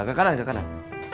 ke kanan ke kanan